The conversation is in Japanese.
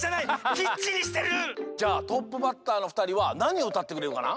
きっちりしてる！じゃあトップバッターのふたりはなにをうたってくれるかな？